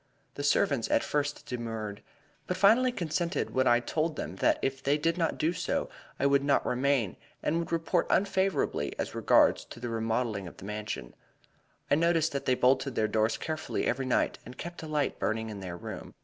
The servants at first demurred, but finally consented when I told them that if they did not do so I would not remain, and would report unfavorably as regards the remodeling of the Mansion. I noticed that they bolted their doors carefully every night and kept a light burning in their room.